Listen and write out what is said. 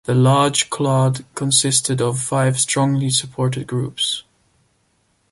The large clade consisted of five strongly supported groups.